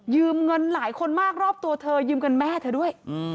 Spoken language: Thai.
เงินหลายคนมากรอบตัวเธอยืมเงินแม่เธอด้วย